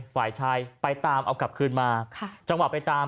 ฝ่ายชายไปตามเอากลับคืนมาจังหวะไปตาม